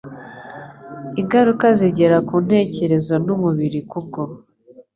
[Ingaruka zigera ku ntekerezo n’umubiri kubwo